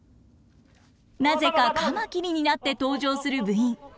なぜかカマキリになって登場する部員。